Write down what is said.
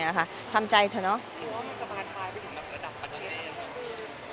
เนื้อหาดีกว่าน่ะเนื้อหาดีกว่าน่ะ